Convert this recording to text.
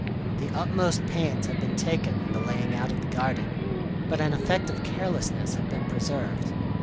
The utmost pains had been taken in the laying out of the garden, but an effect of carelessness had been preserved.